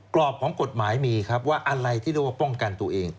กรอบของกฎหมายมีครับว่าอะไรที่เรียกว่าป้องกันตัวเอง